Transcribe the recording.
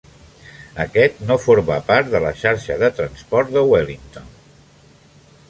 Aquests no forme part de la xarxa de transport de Wellington.